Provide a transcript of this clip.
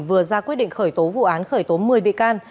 vừa ra quyết định khởi tố vụ án khởi tố một mươi bị can